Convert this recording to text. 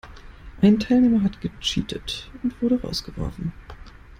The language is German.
Ein Teilnehmer hat gecheatet und wurde rausgeworfen.